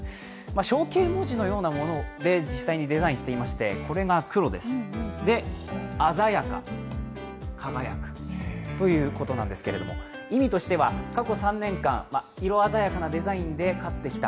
象形文字のようなもので実際にデザインしていまして、これが黒、鮮やか、そして輝くということなんですけど、意味としては、過去３年間色鮮やかなデザインで勝ってきた。